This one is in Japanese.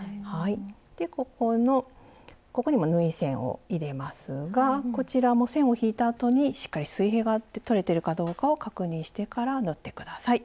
でここのここにも縫い線を入れますがこちらも線を引いたあとにしっかり水平がとれてるかどうかを確認してから縫って下さい。